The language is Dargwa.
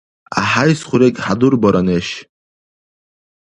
ГӀяхӀяйс хурег хӀядурбара, неш.